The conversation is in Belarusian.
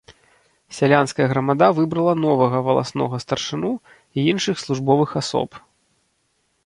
Сялянская грамада выбрала новага валаснога старшыну і іншых службовых асоб.